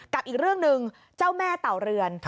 กับอีกเรื่องหนึ่งเจ้าแม่เต่าเรือน